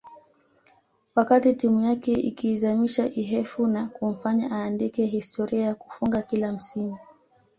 wakati timu yake ikiizamisha Ihefu na kumfanya aandike historia ya kufunga kila msimu